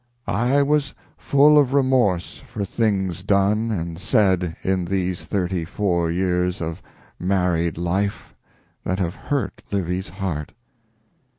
I was full of remorse for things done and said in these thirty four years of married life that have hurt Livy's heart."